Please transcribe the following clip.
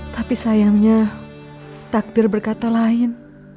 tapi sayangnya takdir berkata lain